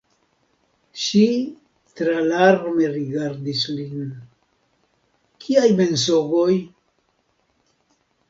Ŝi tralarme rigardis lin: “Kiaj mensogoj?